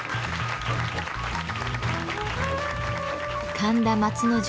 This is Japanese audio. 神田松之丞